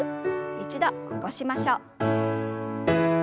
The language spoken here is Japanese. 一度起こしましょう。